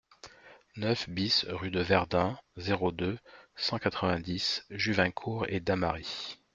neuf BIS rue de Verdun, zéro deux, cent quatre-vingt-dix, Juvincourt-et-Damary